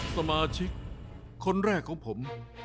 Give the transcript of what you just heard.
สมาชิกคนแรกของผม